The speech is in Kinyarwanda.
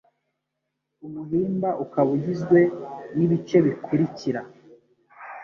umuhimba ukaba ugizwe n'ibice bikurikira: